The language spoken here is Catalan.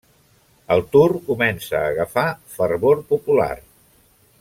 El Tour comença a agafar fervor popular.